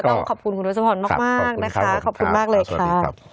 ต้องขอบคุณคุณทศพรมากนะคะขอบคุณมากเลยค่ะ